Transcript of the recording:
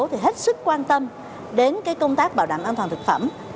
thì hết sức quan tâm đến công tác bảo đảm an toàn thực phẩm